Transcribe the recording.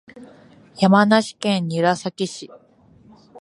山梨県韮崎市